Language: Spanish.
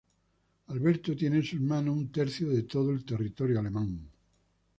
Alberto tiene en sus manos un tercio de todo el territorio alemán.